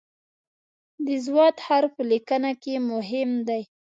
د "ض" حرف په لیکنه کې مهم دی.